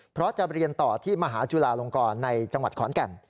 เพราะจะเรียนต่อที่มหาจุลาลงกรในจังหวัดขอนแก่น